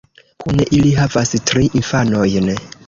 Kune ili havas tri infanojn.